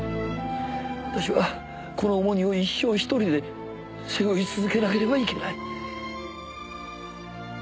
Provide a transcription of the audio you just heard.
私はこの重荷を一生一人で背負い続けなければいけない。